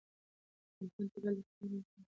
د افغانستان طبیعت له پامیر او ورته غرونو جوړ شوی دی.